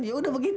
ya udah begitu